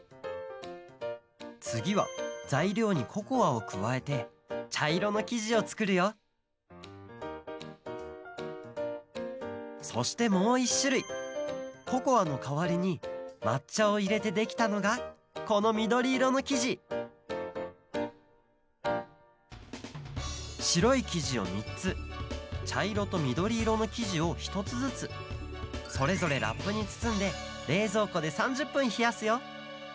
つぎはざいりょうにココアをくわえてちゃいろのきじをつくるよそしてもう１しゅるいココアのかわりにまっちゃをいれてできたのがこのみどりいろのきじしろいきじをみっつちゃいろとみどりいろのきじをひとつずつそれぞれラップにつつんでれいぞうこで３０ぷんひやすよ